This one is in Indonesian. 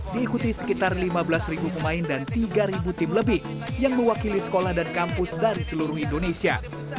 diikuti sekitar lima belas pemain dan tiga tim lebih yang mewakili sekolah dan kampus dari seluruh indonesia